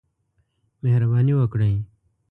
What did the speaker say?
مهرباني وکړئ